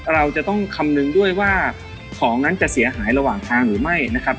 เราจะต้องคำนึงด้วยว่าของนั้นจะเสียหายระหว่างทางหรือไม่นะครับ